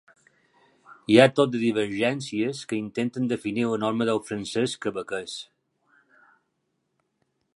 Hi ha tot de divergències que intenten definir la norma del francès quebequès.